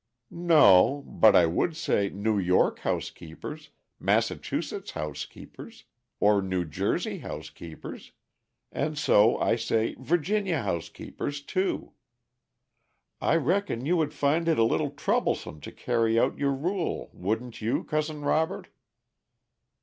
"No, but I would say 'New York housekeepers,' 'Massachusetts housekeepers,' or 'New Jersey housekeepers,' and so I say 'Virginia housekeepers,' too. I reckon you would find it a little troublesome to carry out your rule, wouldn't you, Cousin Robert?"